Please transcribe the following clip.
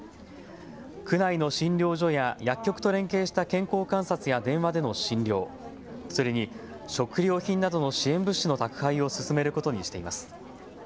区内の診療所や薬局と連携した健康観察や電話での診療、それに食料品などの支援物資の宅配を進めることにしています。